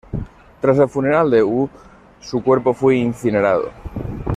Tras el funeral de Hu, su cuerpo fue incinerado.